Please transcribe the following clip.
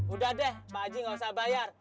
udah deh pak haji gak usah bayar